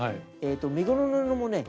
身ごろの布もね